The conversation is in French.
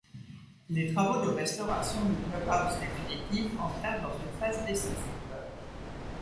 Les travaux de restauration du club-house définitif entrèrent dans une phase décisive.